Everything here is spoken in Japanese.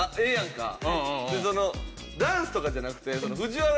ダンスとかじゃなく。って怒る。